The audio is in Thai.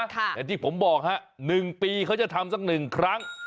อย่างที่ผมบอกฮะ๑ปีเขาจะทำสัก๑ครั้ง